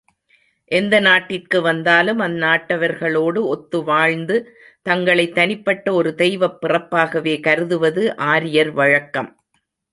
எந்த நாட்டிற்கு வந்தாலும் அந்நாட்டவர்களோடு ஒத்து வாழ்ந்து, தங்களைத் தனிப்பட்ட ஒரு தெய்வப் பிறப்பாகவே கருதுவது ஆரியர் வழக்கம்.